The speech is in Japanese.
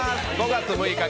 ５月６日